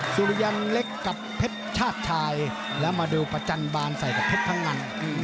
สุริยันเล็กกับเพชรชาติชายแล้วมาดูประจันบานใส่กับเพชรพังงัน